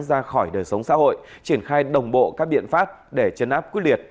ra khỏi đời sống xã hội triển khai đồng bộ các biện pháp để chấn áp quyết liệt